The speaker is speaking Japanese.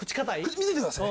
見ててください。